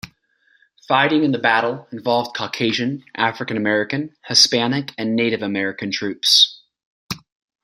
Fighting in the battle involved Caucasian, African-American, Hispanic, and Native American troops.